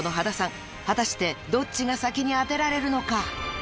［果たしてどっちが先に当てられるのか？］